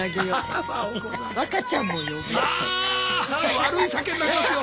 悪い酒になりますよ。